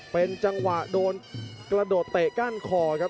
เป็นจังหวะโดนกระโดดเตะก้านคอครับ